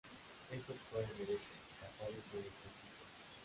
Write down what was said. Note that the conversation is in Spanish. Es doctor en Derecho, casado y tiene tres hijos.